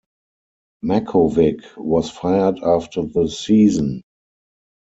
Mackovic was fired after the season.